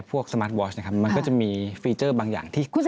พวกสมาร์ทวอร์ชนะครับมันก็จะมีฟีเจอร์บางอย่างที่คล้ายกันอยู่